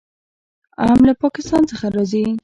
ام له پاکستان څخه راځي.